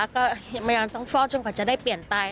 ก็ไม่ยอมต้องฟอกจนกว่าจะได้เปลี่ยนไต